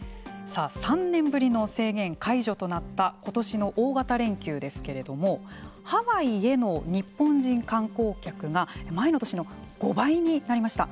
３年ぶりの制限解除となったことしの大型連休ですけれどもハワイへの日本人観光客が前の年の５倍になりました。